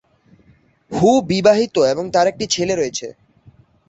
হু বিবাহিত এবং তার একটি ছেলে রয়েছে।